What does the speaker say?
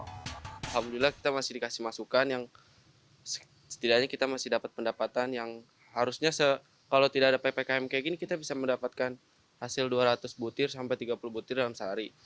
alhamdulillah kita masih dikasih masukan yang setidaknya kita masih dapat pendapatan yang harusnya kalau tidak ada ppkm kayak gini kita bisa mendapatkan hasil dua ratus butir sampai tiga puluh butir dalam sehari